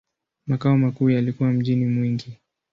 Makao makuu yalikuwa mjini Mwingi.